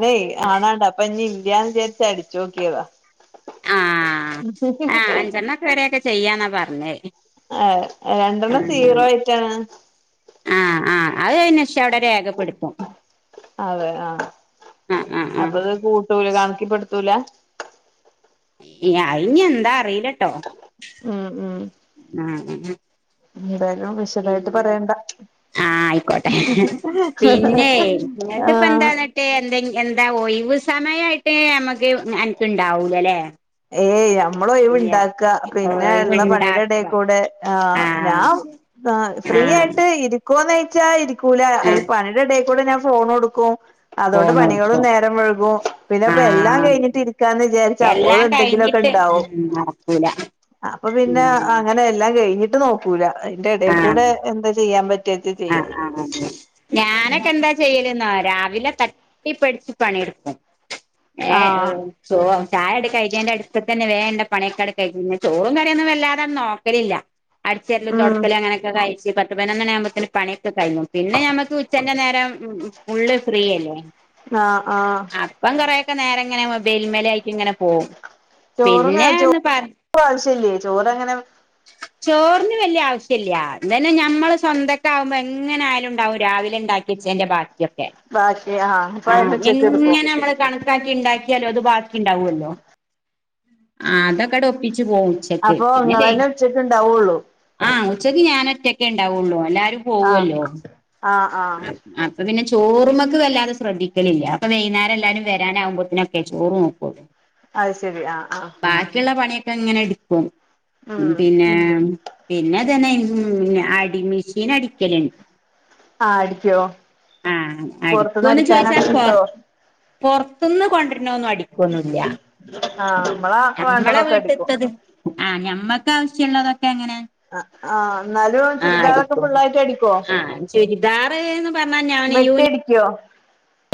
ന്നയ് ആണാണ്ട അപ്പൊ ഇനി ഇല്ല്യന്ന് വിചാരിച്ച അടിചോക്കിയതാ ആഹ ആഹ ആ അഞ്ചെണ്ണക്കെ വരൊക്കെ ചെയ്യാന്നാ പറഞ്ഞേയ് ആ രണ്ടെണ്ണം സീറോ ആയിട്ടാണ്. ആഹ് ആ അത്കഴിഞ്ഞേഷം അവിടെ രേഖപ്പെടുത്തും. അതെ ആ ആഹ് ആഹ് ആഹ് അപ്പത് കൂട്ടൂല കണക്കിപ്പെടുത്തൂല. അയിഞ്ഞി എന്താ അറിയിലട്ടോ? ഉം ഉും ആഹ [unintelligible] എതലും വിശദായിട്ട് പറയണ്ട. ആഹ് അയിക്കോട്ടെ പിന്നെ ആഹ് ങ്ങക്ക്പ്പെന്താണ് മ് എന്തേ എന്താ ഒഴിവ് സമയായിട്ട് നമക്ക് അനക്ക് ഇണ്ടാവൂലല്ലേ ഏയ് അമ്മള് ഒയിവ് ഇല്ല്യ ഇണ്ടാക്ക പിന്നെ ഉള്ള പണിയുടെ ഒഴിവുണ്ടാക്ക ഇടേക്കൂടെ ആഹ് ഞാ ആഹ് ഫ്രീ ആഹ് ആയിട്ട് ഇ ക്കോന്നയിച്ചാ ഇരിക്കൂല ഈ ആഹ് പണിയുടെ ഇടയിക്കൂടെ ഞാൻ ഫോണ് ടുക്കും അതൊണ്ട് ഫോണ് പണികളും നോക്കും നേരം വഴുകും പിന്നെ അപ്പൊ എല്ലാം ആഹ് കഴിഞ്ഞിട്ട് ഇരിക്കാന്ന് വിചാരിച്ച അപ്പോഴും എല്ലാം എന്തെങ്കിലുംക്കെ കഴിഞ്ഞിട്ട് ഇണ്ടാവും ഉം നടക്കൂല അപ്പൊ പിന്നെ ഉം അങ്ങനെ എല്ലാം കഴിഞ്ഞിട്ട് നോക്കു കൂല അതിന്റെ ഇടയിൽക്കൂടെ ആഹ് എന്താ ചെയ്യാൻ പറ്റിയ ആഹ് ആഹ് ഞാനൊക്കെ എന്താ ചെയ്യലൂന്ന രാവിലെ തട്ടിപ്പടിച്ചു പണിടുക്കും ഏഹ് ആഹ് ചോ ചായടെ കഴഞ്ഞന്റെ അടുത്ത തന്നെ വേ പണിയക്കാട് കഴിഞ്ഞ് ചോറും കറിയൊന്നും വല്ലാതന്നും നോക്കലില്ല അടിച്ചെരലും ഉം തുടക്കലും അങ്ങനൊക്കെ കഴിച്ച് പത്തുപതിനൊന്നു ണിആകുമ്പത്തെന് പണി ഉച്ച കഴിഞ്ഞു. പിന്നെ ഞമ്മുക്ക് ഉച്ചൻ്റെ നേരം ഉം ഉം ഫുള്ള് ഫ്രീയല്ലേ. ആഹ് ആഹ് അപ്പം കൊറയൊക്കെ നേരം ഇങ്ങനെ മൊബേൽമേലായിക്ക ഇങ്ങനെ പോകും ചോറും [inaudible] ചോ ആവശ്യല്ലേ ചോറ്ങ്ങനെ ചോറിന് വലിയാവശ്യം ഇല്ല ഇതന്നെ ഞമ്മള് സ്വന്തം വുമ്പോ എങ്ങനൊയാലും ഉണ്ടാവും രാവിലെ ഉണ്ടാക്കിച്ചേൻ്റെ ഭാക്കി ക്കേ ബാക്കി അപ്പൊ ആഹ് അയിന് ഉച്ചക്ക് എടുക്കും എങ്ങനെ നമ്മള് കണ ഇണ്ടാ ഇണ്ടാക്കിയാലോ അത് ബാക്കി ഉണ്ടാവുല്ലോ ആ അതൊക്കെണ്ട് ഒപ്പിച്ച് പോവും ഉച്ചക്ക് അപ്പൊ പിന്നെ വൈ ഇങ്ങെളന്നെ ഉച്ചയ്ക്ക്ണ്ടാവുള്ളൂ ആഹ് ഉച്ചയ്ക്ക് ഞാനൊറ്റക്കെ ഉണ്ടാവുള്ളൂ. എല്ലാരും ആഹ് പോവല്ലോ ആഹ് ആഹ് അപ്പ പിന്നെ ചോറുമ്മക്ക് വല്ലാതെ ശ്രദ്ധിക്കലില്ല. അപ്പ വൈകുന്നേരല്ലരും വരാനാവപോത്തനൊക്കെ ചോറ് നോക്കു. അത് ശരി ആഹ് ആഹ് ബാക്കിയുള്ള പണിയൊക്കെ ഇങ്ങനെടുക്കും ഉം പിന്നെ പിന്നെ അതന്നെ ഉം അടി മെഷീൻ അടിക്കല്ണ്ട് ആഹ് അടിക്കോ ആഹ് പൊറത്തുന്ന് അടിക്കോന്ന് ചോയിച്ചാ അടിക്കാനൊക്കെ പോ കിട്ടോ പൊറത്തുന്ന് കൊണ്ടിരുന്നന്നു അടിക്കോന്നുല്ല. ആഹ് നമ്മള നമ്മളെ വേണ്ടതൊക്കെ അടിക്കും വീട്ടിത്തത് ആ ഞമ്മക്ക് ആാവശ്യള്ളതൊക്കെ ഇങ്ങനെ ആഹ് എന്നാലും ആഹ് ചുരിദാറൊക്കെ അടിക്കും ഫുള്ളായിട്ട് അടിക്കോ ആഹ് ഞങ്ങനെന്ന് പറഞ്ഞാൽ ഞാനി യൂണി ടിക്കോ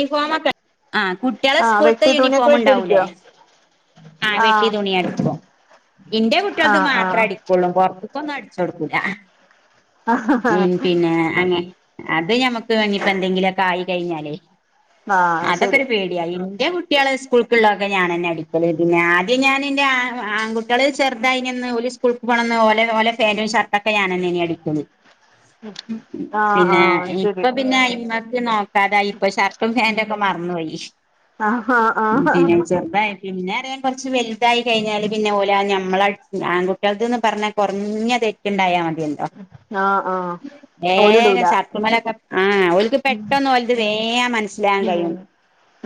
യൂണിഫോമൊക്കെ. ആഹ് കുട്ടികളെ ആഹ് സ്കൂളത്തെ വെട്ടി തുണിയൊക്കെ യൂണിഫോം വെട്ടി ഉണ്ടാവൂല്ലേ. അടിക്കോ ആഹ് വെട്ടി തുണിയടുക്കു ഇന്റെ കുട്ടികൾക്ക് ആഹ് മാത്രം ആഹ് അടി പള്ളും പൊറത്തുകൊന്നും അടിച്ച് കൊടുക്കൂല. ഉം പിന്നെ അങ്ങ അത് ഞമ്മക്ക് ഇനി ഇപ്പോ എന്തെകിലുയൊക്കെ ആയി കഴിഞ്ഞാലേ ആഹ് അതൊക്കെ ശരി ഒരു പേടി എന്റെ കുട്ടികളെ സ്കൂൾക്കുള്ളൊക്കെ ഞാൻ തന്നെ അടിക്കല്ലേ. പിന്നെ ആദ്യം ഞാൻ ന്റെ ആ ആൺകുട്ടി കുട്ട്യാള് ചെറുതായിനന്ന് ഓല് സ്കൂൾക്ക് പോണന്ന് ഓലെ ഓലെ പാൻ്റും ഷർട്ടൊക്കെ ഞാനന്നെന് അടിക്കല് ആഹ് പിന്നെ ആഹ് ശരി ഇപ്പൊ പിന്നെ അയമ്മക്ക് നോ തായി ഇപ്പൊ ഷർട്ടും പാന്റു ഒക്കെ മറന്നു പോയി ആഹ് ആഹ് ആഹ് പിന്നെ ചെറുതായി പിന്നെ ആണേ കുറച്ച് വലുതായി കഴിഞ്ഞാല് പിന്നെ പോലെ ഞമ്മള ആൺകുട്ടികൾക്ക്ന്ന് പറഞ്ഞാ കുറഞ്ഞ തെറ്റ് ണ്ടായാ മതിയ എല്ലോ ആഹ് ആഹ് നേരേ ഓലിടൂല ഷർട്ട് ട്ടുമ്മലൊക്കെ ആഹ് ഓൽക്ക് പെട്ടന്ന് ഓൽല്ത് വേംമനസ്സിലാൻ ഉം കഴിയും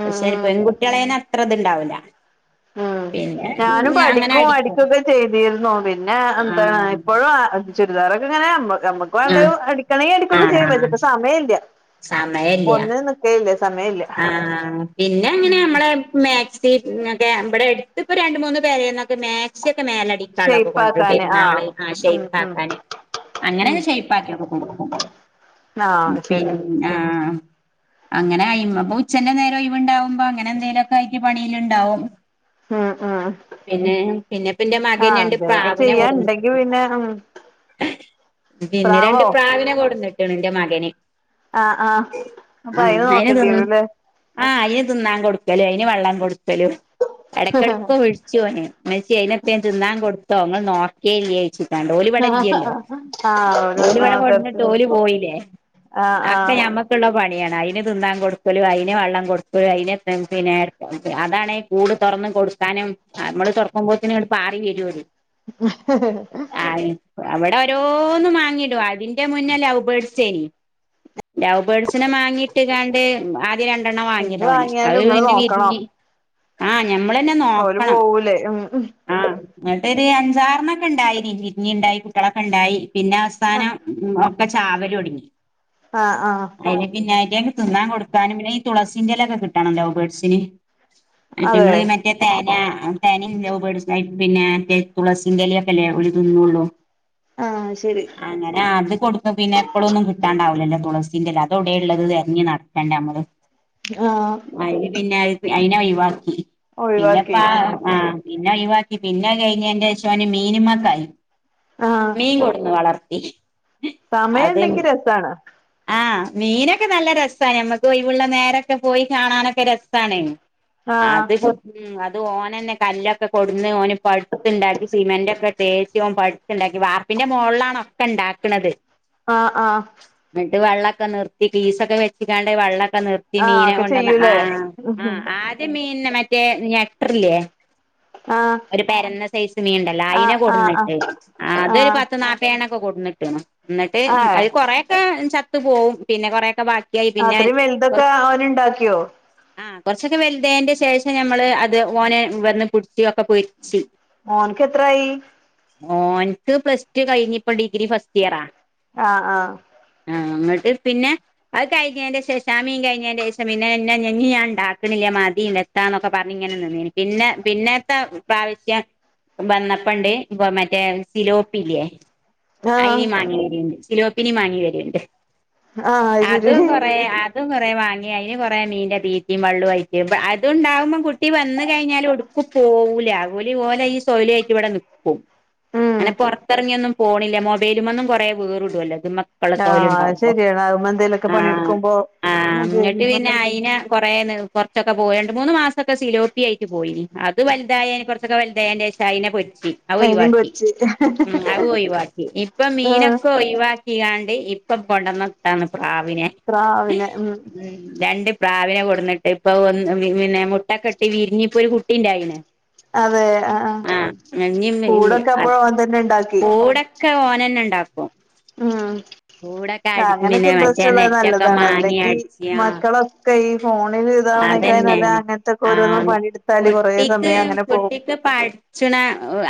ഉം പക്ഷെ ഉം പെൺകുട്ടികളേന് അത്ര ഇത്ണ്ടാവൂല ഉം പിന്നെ ഞാനും അങ്ങനെ പഠിക്കും അടിക്കും അടിക്കുകൊക്കെ ചെയ്തിരുന്നു പിന്നെ എന്താണ് ആഹ് ഇപ്പോഴും ചുരിദറൊക്കെ ഇങ്ങനെ നമ്മുക്ക് നമുക്ക് വേണ്ടത് ആഹ് അടിക്കണേ അടുക്കൊക്കെ ചെയ്യ പക്ഷേ പ്പം സമയം ഇല്യ സമയില്ല നിക്കലില്ല സമയ ല്യ ആഹ് പിന്നെ അങ്ങനെ നമ്മളെ മേക്സി ക്കെ ഇവിടെ അടുത്ത്പ്പൊ രണ്ട് മൂന്ന് പെരേന്നൊക്കെ മാക്സിയൊക്കെ മേലടിക്കും കള്ളൊക്കെ കൊണ്ട്റും ഷെയ്പ്പാക്കാന് ആഹ് പിന്നാള് ആ ഉം ഉം ഷെയ്പാക്കാന് അങ്ങനെയൊക്കെ ഷേയ്യ്പ്പാക്കി കൊട്ക്കും. ആ ശരിയാ ആഹഅഹ അങ്ങനെയ്മക്ക് പോ ഉച്ചന്റെ നേരം ഒയിവ്ണ്ടാവുമ്പോ അങ്ങനെ എന്തെലൊക്കെ ആയി്ട്ട് പണില്ണ്ടാവും [unintelligible] പിന്നെപ്പ എന്റെ മകൻ ആഹ രണ്ട് ന്തൊലൊക്കെ പ്രാവിനെ ചെയ്യാണ്ടെങ്കി കൊടുന്നിട്ടുണ്ട് പിന്നെ പിന്നെ രണ്ട് പ്രാവോ പ്രാവിനെ കൊട്ന്നിട്ടണ് ൻ്റെ മകന്. ആഹ് ആ അപ്പൊ ഉം അയിന് തിന്ന് നോക്കണ്ടിരൂല്ലേ? ആഹ് അയിന് തിന്നാൻ കൊടുക്കലും, അതിന് വെള്ളം കൊടുക്കലും, ഇടക്കിടക്ക് വേഡ്ച്ചു ഓന് മെച്ചി അയിനെതേം തിന്നാൻ കൊടുത്തോ ങ്ങള് നോക്കേല്ലേ ച്ചു ങ്ങണ്ട് ഒല്ബഡേല്ല്യല്ലോ, ആഹ് ഒരു ഒല്ബഡെ ആഹ് കൊട്ന്നിട്ട് തരത്തില് ഒല് പോയില്ലേ ആഹ് ആഹ് അക്കെയമക്ക് എനിക്കുള്ള പണിയാണ് അതിന് തിന്നാൻ കൊടുക്കലും അതിന് വെള്ളം കൊടുക്കലും അതിനെ പിന്നെ അതാണേ കൂട് തുറന്ന് കൊടുക്കാനും നമ്മള് തുറക്കുമ്പോത്തന്നെ പാറി വരും അത് [inaudible] ആ അവിടെ ഓരോന്ന് വാങ്ങിടും അതിന്റെ മുന്നിൽ ലവ്ബേർഡ്സ്‌ [unintelligible] ലവ്ബേർഡ്സിനെ മാങ്ങിയിട്ട് കാണ്ട് ആ രണ്ടെണ്ണം എന്ത് വാങ്ങിണ്ട് അവന് അത് വാങ്ങിയാലും ഇങ്ങള് പിന്നെ നോക്കണം വിരിഞ്ഞ് ആഹ് ഞമ്മൾ തന്നെ ഓല് നോക്കണം പോവൂലേ ഉം ഉം ആഹ് [unintelligible] അഞ്ചാറണ്ണോക്കെ ഉണ്ടായി ഇനിക്ക് വിരിഞ്ഞിണ്ടായി കുട്ടികളൊക്കെ ഉണ്ടായി പിന്നെ അവസാനം ഉം ഒക്കെ ചാവല് തൊടങ്ങി ആഹ് ആഹ് അതിന് പിന്നായിട്ട് എക്ക് തിന്നാൻ കൊടുക്കാനും പിന്നെ ഈ തുളസീന്റെലൊക്കെ കിട്ടണം ലവ്ബേർഡ്സിന് അതെ ഇത്ങ്ങളെ മറ്റേ തേനാ തേന് ലവ്ബേർഡ്സിന് [unintelligible] തുളസിന്റെലയൊക്കെ അല്ലേ അവര് തിന്നോളും ആഹ് ശരി അങ്ങന ആദ്യം കൊടുത്തു പിന്നെ എപ്പോഴൊന്നും കിട്ടാണ്ടാവില്ലല്ലൊ തുളസി ഇല്ലല്ലോ അതോടെയള്ളത് തെരഞ്ഞ് നടക്കേണ്ടേ നമ്മള് ആഹ് അത് പിന്നെ അയിനെ ഒഴിവാക്കി പിന്നെപ്പ ആഹ് പിന്നെ ഒഴിവാക്കി പിന്നെ അത് കഴിഞ്ഞേന് ശേഷം അവന് മീന് മ്മേ ക്കായി ആഹ് മീൻ കൊടുന്ന് വളർത്തി സമയം ഉണ്ടെങ്കി രസാണ് ആഹ് മീനൊക്കെ നല്ല രസ നമ്മുക്ക് ഒയി‌വുള്ള നേരൊക്കെ പോയി കാണാനൊക്കെ രസാണ് ആഹ് അത് ഉം അത് ഓന് തന്നെ കല്ലൊക്കെ കൊടുന്ന് ഓന് പടുത്തുണ്ടാക്കി സിമെന്റൊക്കെ തേച്ച് ഓൻ ഉണ്ടാക്കി വാർപ്പിന്റെ മുകളിലാണ് ഒക്കെ ഉണ്ടാക്കണത് ആഹ് ആഹ് എന്നിട്ട് വെള്ളൊക്കെ നിർത്തി പീസൊക്കെ വെച്ച്ക്കാണ്ട് വെള്ളൊക്കെ നിർ ത്തി ആഹ് മീന ഒക്കെ കൊണ്ടന്ന ചെയ്യൂലേ ആഹ് ആഹ് ആദ്യ മീൻന മറ്റേ ഞട്ടറില്ലേ ആഹ് ഒരു പെരന്ന സൈസ് മീനുണ്ടല്ലോ അയിനെ ആഹ് ആഹ് ആഹ് കൊടുന്നിട്ട് അതൊരു ആഹ് പത്ത് നാല് വേണൊക്കെ കൊടുന്നിട്ട് എന്നിട്ട് ഏഹ് അത് കൊറേക്കെ ചത്ത് പോവും പിന്നെ കൊറേക്കെ ബാക്കി അത്രയും വലുതൊക്കെ അവന് ഇണ്ടാക്കിയോ ആഹ് കുറച്ചൊക്കെ വലുതായേന്റെ ശേഷം ഞമ്മള് അത് ഓനെ വന്ന് കുർത്തിയൊക്കെ പൊരിച്ച് മോന്ക്ക് എത്രായി മോന്ക്ക് പ്ലസ് ടു കഴിഞ്ഞ് ഇപ്പ ഡിഗ്രി ഫസ്റ്റ് ഇയറ ആഹ് ആഹ് ആഹ് എന്നിട്ട് പിന്നെ അത് കഴിഞ്ഞേന്റെ ശേഷം ആ മീൻ കഴിഞ്ഞേന്റെ ശേഷം ഇനി ഞാൻ ഉണ്ടാക്കണില്ല മതി നി ന്നൊക്കെ പറഞ്ഞ് ഇങ്ങനെ നിന്നീന് പിന്ന പിന്നെത്ത പ്രാവശ്യം വന്നപ്പുണ്ട് ഇപ്പ മറ്റേ സിലോപ്പില്ലേ ആഹ് അയിനെ [unintelligible] ആഹ് അത് ശരി കുറെ ആ അതും കുറേ വാങ്ങി അതിന് കുറേ മീന്റെ തീറ്റീയും വെള്ളുവായിറ്റ് അതുണ്ടാകുമ്പോൾ കുട്ടി വന്ന് കഴിഞ്ഞാലും പോവൂല ഓല് ഓല ഈ തൊഴിലുവായിട്ട് ഇവിടെ നിക്കും. ഉം അങ്ങനെ പൊറത്ത് ഇറങ്ങി ഒന്നും പോവില്ല. മൊബൈലിമന്നും കൊറേ [unintelligible] ആഹ്‌ അത് സൊയ്ല്ണ്ടാവുമ്പോ ശരിയാ എന്തേലുമൊക്കെ പണി ആഹ് എടുക്കുമ്പോ ആഹ് ഇങ്ങട്ട് പിന്നെ [unintelligible] അയിനെ കൊറേ നിർബ ത്തിക്ക പോയി. രണ്ടു മൂന്ന് മാസക്ക സിലോപിയ ആയിട്ട് പോയിനി അത് വലുതായി കുറച്ചൊക്കെ വലുതായേന് ശേഷം അതിനെ പൊരിച്ച്. അത് അയിനിം ഒഴിവാക്കി. പൊരിച്ച് ഉം അതും ഒഴിവാക്കി ഇപ്പൊ ആഹ് മീനൊക്കെ ഒഴി ഴിവാക്കിയാണ്ട് ഇപ്പൊ കൊടന്ന [unintelligible] പ്രാവിനെ പ്രാവിനെ ഉം രണ്ട് പ്രാവിനെ കൊടുന്നിട്ട് ഇപ്പൊ പിന്നെ മുട്ടൊക്കെ ഇട്ട് വിരിഞ്ഞ് ഇപ്പൊ ഓരു കുട്ടി ഇണ്ടായിന് അതെ ആഹ് ആഹ് കൂടൊക്കെ അപ്പോഴും അവൻ തന്നെ ഉണ്ടാക്കി. കൂടൊക്കെ ഓനെ ന്നെ ഉണ്ടാക്കും. ഉം അങ്ങനെയൊക്കെ പിന്നെ ഇൻട്രസ്റ്റ് മറ്റേ ഉള്ളത് നെറ്റൊക്കെ നല്ലതാണ്. മാങ്ങി അല്ലെങ്കിൽ അടിച്ച് ആഹ് മക്കളൊക്കെ ഇപ്പൊ ഈ ഫോണിൽ ഇതെവനെക്കാളും അതന്നെ നല്ലത് അങ്ങനത്തൊക്കെ ഓരോന്ന് ആഹ് പണി എടുത്താല് കുറേ സമയം അങ്ങനെ പോകും. [unintelligible] പഠിച്ചുണ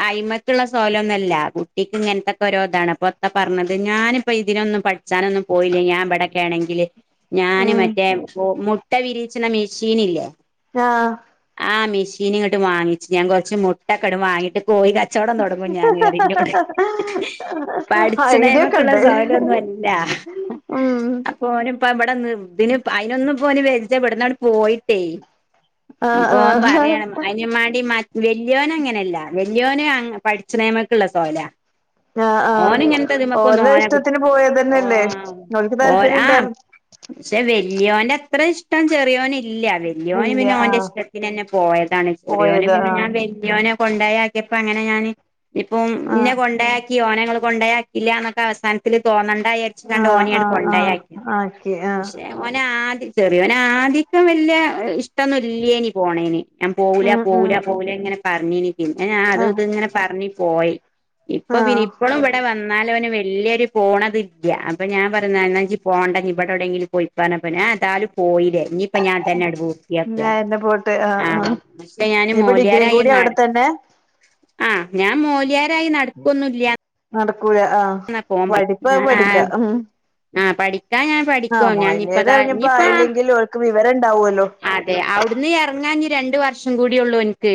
ആയിമ്മക്ക് ഇള്ള സ്വകാലൊന്നും ഇല്ല കുട്ടിക്ക് ഇങ്ങനത്തൊക്കെ ഓരോ ഇതാണ്. അപ്പൊ എത്ത പറഞ്ഞത് ഞാൻ ഇപ്പൊ ഇതിനൊന്നും പഠിച്ചാനൊന്നും പോയില്ലെങ്കിൽ ഞാൻ ഇവിടെ ഒക്കെ ആണെങ്കില് ഞാന് ഉം മറ്റേ മുട്ട വിരിയിച്ണേ മീഷീൻ ഇല്ലെ ആഹ് ആ മീഷീൻ ഇങ്ങട്ട് വാങ്ങിച്ച് ഞാൻ കുറച്ചു മുട്ട മുട്ട ങ്ങട്ട് വാങ്ങിട്ട് കോഴി കച്ചവടം തുടങ്ങും ഞാന് എന്ന് പറയും ഇന്നോട് പഠിച്ചനെമ്മക്കുള്ള ഐഡിയൊക്കെണ്ട് സ്വകാലൊന്നും ഇല്ല ഉം ഓന് ഇപ്പ ഇവിടെ അതിന് ഇപ്പൊന്നും വെച്ച ഇവിടുന്നങ്ങാട്ട് പോയിട്ടേ അപ്പൊ ഓൻ ആഹ് പറയാ ആഹ് ആയിനും മാണ്ടി വല്യോൻ അങ്ങനെയല്ല. വല്യന് പഠിച്ചണെമക്കുള്ള സ്വകാല. ആഹ് ആഹ് ഓന് ഇങ്ങനത്തെ ഇതിന്മേക് ഒന്നും ഓലെ ഓനെ [unintelligible] ഇഷ്ടത്തിന് പോയതന്നെല്ലേ ഓൽക്ക് ഓ [unintelligible] താല്പര്യം [unintelligible] ആഹ് ഇണ്ടായിര് പക്ഷെ വല്യോന്റെ അത്ര ഇഷ്ടം ചെറിയൊന് ഇല്ല. വല്യോന് ഇല്ല പിന്നെ ഓന്റെ ആഹ് ഇഷ്ടം ഇഷ്ടത്തിനെന്നെ പോയതാണ്. ചെറിയൊന് പോയത് പിന്നെ ആഹ് ഞാൻ വല്യോനെ കൊണ്ടയാക്കിയപ്പോ അങ്ങനെ ഞാന് ഇപ്പം ഇന്നേ ആഹ് കൊണ്ടോയാക്കി ഓനെ ഇങ്ങൾ കൊണ്ടോയാക്കിയില്ല എന്നൊക്കെ അവസാനത്തില് തോന്നണ്ട ആഹ് വിചാരിച്ചക്കാണ്ട് ആഹ് ആഹ് കൊണ്ടയാക്കി. ആക്കി ആഹ് പക്ഷെ ഓന് ആദ്യം ചെറിയൊൻ ആദ്യം വല്യാ ഇഷ്ടൊന്നും ഇല്യനി പോണേന് ഞാൻ പോവൂല ഉം ഉം പോവൂല പോവൂല ഇങ്ങനെ പറഞ്ഞിനി. പിന്നെ ഞാൻ അത് ആഹ് ഇത് ഇങ്ങനെ പറഞ്ഞു പോയി ഇപ്പൊ ആഹ് ഇപ്പളും ഇവിടെ വന്നാ ഇന്നാലും ഓൻ വല്യയൊരു പോണത് ഇല്ല. അപ്പൊ ഞാൻ പറയും ന്നാ ഇജ്ജ് പോണ്ട ഇവിടെ എവിടെങ്കിലും പോയി പറഞ്ഞപ്പോ ഞാൻ ഏതായാലും പോയില്ലേഇഞ്ഞിപ്പോ ഞാൻ ഇതന്നെ [unintelligible] [unintelligible] പൂർത്തിയാക്കട്ടെ [unintelligible] ആ ആ ഇനിയിപ്പോ ഡിഗ്രി കൂടി അവിടെ തന്നെ ആ ഞാൻ മൊല്യരായി നടക്കൊന്നും ഇല്ല. നടക്കൂല. ആഹ പഠിപ്പ് അത് ഞാൻ പഠിക്ക ആഹ് ആഹ് പഠിക്കാൻ ഞാൻ ആ പഠിക്കും ഞാൻ ഇനിപ്പതാ മൊല്യർ ഇഞ് ഇനിയിപ്പ ആയില്ലെങ്കിലും ഓല്ക്ക് വിവരം ഉണ്ടാവുമല്ലോ അതെ അവിടുന്ന് ഇറങ്ങാഞ്ഞ രണ്ട് വർഷം കൂടിയള്ളു ഓനിക്ക്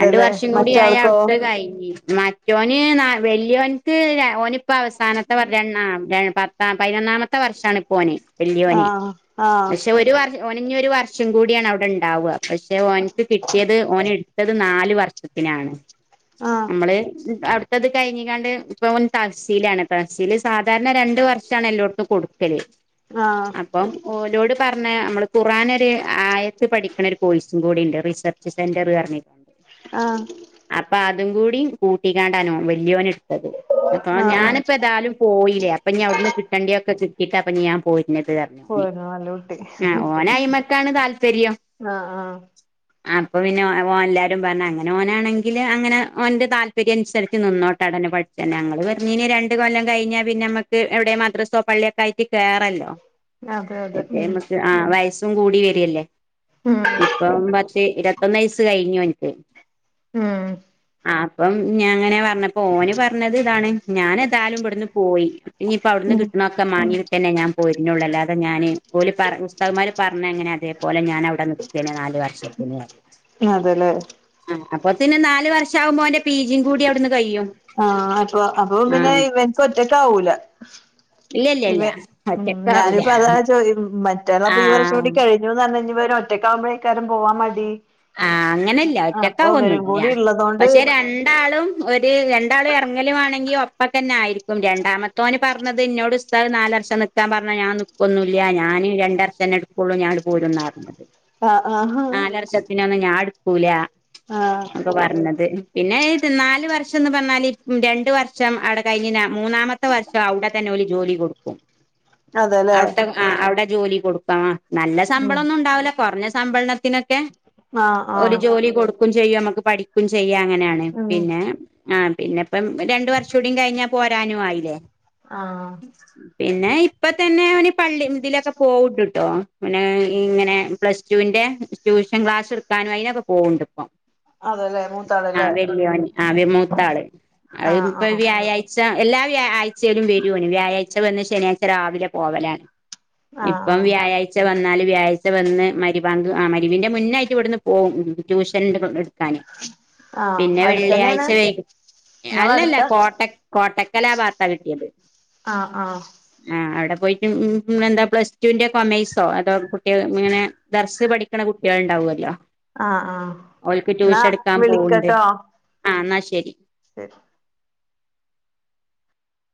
രണ്ട് വർഷം കൂടി ആയാൽ മറ്റാൾക്കോ അവിടെത്തത് കഴിഞ്ഞ് മറ്റൊന് വലിയൊന്ക്ക് ഒന് ഇപ്പൊ അവസാനത്തെ [unintelligible] ആ പതിനൊന്നാമത്തെ വർഷമാണ് ഇപ്പോ ഓന് വല്യോന്. ആഹ് ആഹ് പക്ഷെ ഒരു വർഷം ഒന് ഇഞ് ഒരു വർഷം കൂടിയാണ് അവിടെ ഉണ്ടാക. പക്ഷെ ഓന്ക്ക് കിട്ടിയത് നാല് വർഷത്തിനാണ്. ആഹ് നമ്മള് അവിടുത്തത് കഴിഞ്ഞിക്കാണ്ട് ഇപ്പോ തഹസീലാണ് താഹസീൽ സാധാരണ രണ്ട് വർഷമാണ് എല്ലോടത്തും കൊടുക്കല് ആഹ അപ്പം ഓലോട് പറഞ്ഞ നമ്മള് ഖറആൻൊ ഒരു ആയത്ത് പഠിക്കണ ഒരു കോഴസും കൂടി ഉണ്ട് റിസർ. സന്റർഞ്ഞിട്ട ആഹ അപ്പൊ അതും കൂടി കൂട്ടിക്കാണ്ടാനോ വല്യോന് എടുത്തത് അപ്പൊ ആഹ് ആഹ് ഞാനിപ്പോ ഏതാലും പോയില്ലേ അപ്പൊഞാ അവിടുന്ന് കിട്ടണ്ട ഒക്കെ കിട്ടിട്ട് അപ്പ ഞാൻ പോരുന്നത് പറഞ്ഞു പോയിരുന്നു നല്ല കുട്ടി ആ ഓനായ്മക്കാണ് താല്പര്യം ആഹ് ആഹ് അപ്പൊ പിന്നെ ഓ എല്ലാരും പറഞ്ഞ അങ്ങനെ ഓനാണെങ്കില് അങ്ങനെ ഓന്റെ താല്പര്യം അനുസരിച്ച് നിന്നോട്ട് അടന പട്ടു ഞങ്ങള്ൾ പറഞ്ഞനി രണ്ട്കൊല്ലം കഴിഞ്ഞാ പിന്നെ നമ്മുക്ക് എവിടെ മദ്രസോ പള്ളിയൊക്കെ ആയിട്ട് കേയറല്ലോ അതെ നമക്ക് ആ വയസ്സും കൂടി വരിയല്ലേ ഉം ഇപ്പം മറ്റേ ഇരുപത്തൊന്ന് വയസ്സ് കഴിഞ്ഞഞ് ഓന്ക്ക് ഉം. ആ അപ്പം ഞാൻ അങ്ങനെ പറഞ്ഞപ്പ ഓന് പറഞ്ഞ പറഞ്ഞത് ഇതാണ് ഞാാന എതായാലും ഇവിടുന്ന് പോയി ഇനിയിപ്പ അവിടുന്ന് ഉം കിട്ടണൊക്കെ മാങ്ങിയിട്ട തന്നെ ഞാൻ. ള്ള അാതെഞാന് പോലി പുസ്തകന്മാര് പറഞ്ഞ എങ്ങനെ അതേപോലെ ഞാൻ. ന വർത്തി അപ്പ ന ഉം അതെല്ലേ വർുമ്പോ. ആഹ അപ്പൊ അപ്പൊ ആഹ് പിന്നെവനക്ക് ഒറ്റക്ക ആവൂല. ഇല്ല ഇല്ല ഇവ ഇല്ല ഉം ഒറ്റക്കാവൂല ഞാനിപ്പോ അതാ മറ്റെല്ലപ്പ ഈവറ ആഹ് ചൂടി കഴി ന്ന്ഞ്ഞ്ര ഒരു ഒറ്റക്കാവുമ്പോഴേക്കാരും പോവാൻ മടി ആഹ അങ്ങനെല്ല അപ്പൊ ഇവരും ഒറ്റക്കകൊന്നില്ല കൂടി ഇള്ളതോണ്ട് പക്ഷെ രണ്ടാളും ഒരു രണ്ടാളും ഇറ ലും ആണെങ്കിൽ ഒപ്പ തന്നെ ആയിരിക്കും രണ്ടാമത്തോന് പറഞ്ഞത് എന്നന്നോട്. നാല വർംൽക്കാൻ പറഞ്ഞാ ഞാ നിക്കൊന്നില്ല ഞും രണ്ട വർഷംെ എടുക്കുള്ളൂ ഞാൻ. ആഹ് ആഹ് നാലർ. പിന്നെ ഒന്ന ഞാൻ എടുക്കൂല ആഹ് ഒക്കെ പറഞ്ഞത് പിന്നെ നാല് വർഷം എന്ന് പറഞ്ഞാല് രണ്ട വർഷം അടെ കഴിഞ്ഞ മൂന്നാമത്തെ പത്ത വർഷം അവിടെ തന്നെലി ജോലി കൊടുക്കും ആ അവിത്തെ ആ അവിടെ ജോലി കൊടുക്കമ നല്ല ഉം ശമ്പളംൊന്നും ഉണ്ടാവില്ല കുറഞ്ഞ സമ്പള ത്തിനൊക്കെ ആഹ് ഒരു ആഹ് ജോലി കൊടുക്കയും ചെയ്യും നമുക്ക് പഠിക്കയും ചെയ്യാം അങ്ങനെയാണ് ഉം പിന്നെ ആ പിന്നെപ്പം രണ്ട വർഷം കൂടയും കഴിഞ്ഞാ പോരാനും ആയില്ലേ ആഹ പിന്നെ ഇപ്പ തന്നെ അവ പള്ളി ഇതിലൊക്കെ പോവണ്ട്ട്ടോ പിന്നെ ഇങ്ങനെ പ്ലസ്. ുവിന്റെ ട്യൂഷൻ ക്ലാസ് എടുക്കാനും അതിനൊക്കെ പോകണ്ട് ഇപ്പം. അതെല്ലേ ആ മൂത്താളല്ലേ വല്ിയ ആ മൂത്താള് അത് ആഹ് ഇപ്പൊ ആഹ് വ്യാഴാഴ്ച. എല്ലാ്യാ ആഴ്ചയിലും വരുമന വ്യാഴ്ച വന്ന് ശനിയാഴ്ച രാവിലെ പോവലാണ്. ആഹ് ഇപ്പം ആഹ് വ്യാഴാഴ്ച്ച വന്നാല് വ്യാഴ്ച വന്ന് മരിബാങ്ക് ആ മരിവിന്റെ. മുന്നായിട്ട ഇവിടുന്ന് പോകും ട്യൂഷൻ. ആഹ് പിന്നെ അടുത്തന്നെയാണ് വെള്ളിയാഴ്ച വേഗം. അല്ലല്ല നിങ്ങളടുത്ത കോട്ട കോട്ടക്കലാഭാത്ത കിട്ടിയത് ആഹ് ആഹ് ആഹ അവിടെ പോയിട്ട് എന്താ പ്ലസ് ടുവിന്റെ കൊമേഴ്സോ അതോ കുട്ടിക ഇങ്ങനെ ദർസ് പഠിക്കണ ണ്ടാവല്ലോ ആഹ് ആഹ് അവൾക്ക് എന്നാ ട്യൂഷൻ എടുക്കാൻ പോവണ്ടേ വിളിക്കട്ടോ ആ എന്നാ ശരി ശരി